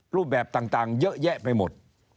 รูปแบบต่างเยอะแยะไปหมด